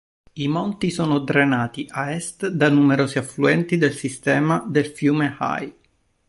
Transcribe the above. I monti sono drenati a est da numerosi affluenti del sistema del fiume Hai.